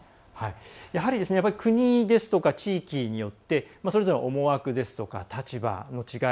やはり、国ですとか地域によってそれぞれの思惑ですとか立場の違い